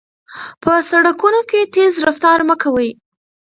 په سړکونو کې تېز رفتار مه کوئ.